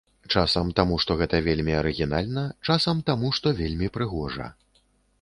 Часам таму, што гэта вельмі арыгінальна, часам таму, што вельмі прыгожа.